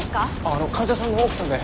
あの患者さんの奥さんで。